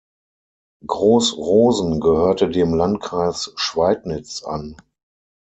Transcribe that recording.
Groß Rosen gehörte dem Landkreis Schweidnitz an.